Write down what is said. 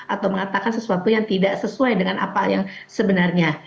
atau mengatakan sesuatu yang tidak sesuai dengan apa yang sebenarnya